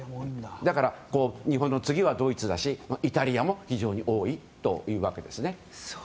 だから日本の次はドイツだしイタリアも非常に多いというわけです。